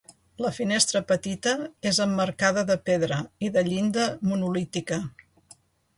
La finestra petita és emmarcada de pedra i de llinda monolítica.